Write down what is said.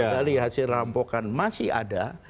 kendali hasil rampokan masih ada